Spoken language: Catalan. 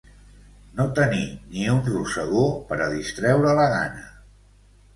No tenir ni un rosegó per a distreure la gana.